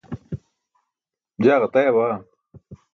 jaa ġataya baa